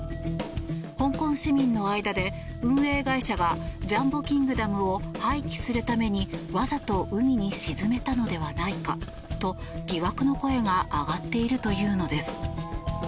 香港市民の間で運営会社がジャンボ・キングダムを廃棄するためにわざと海に沈めたのではないかと疑惑の声が上がっているというのです。